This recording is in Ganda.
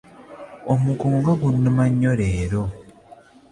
Omugongo nga gunuma nnyo leero.